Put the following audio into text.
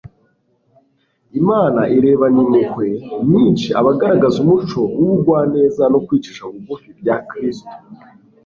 Imana irebana impuhwe nyinshi abagaragaza umuco w'ubugwaneza no kwicisha bugufi bya Kristo.